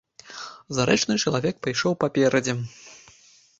Зарэчны чалавек пайшоў паперадзе.